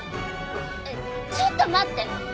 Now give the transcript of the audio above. えっちょっと待って。